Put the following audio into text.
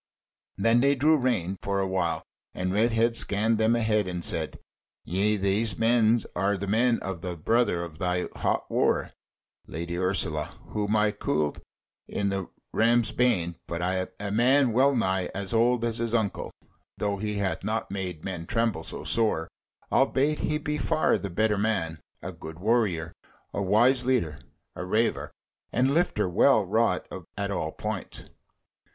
Then they drew rein for awhile and Redhead scanned them again and said: "Yea, these are the men of the brother of thy hot wooer, Lady Ursula, whom I cooled in the Ram's Bane, but a man well nigh as old as his uncle, though he hath not made men tremble so sore, albeit he be far the better man, a good warrior, a wise leader, a reiver and lifter well wrought at all points.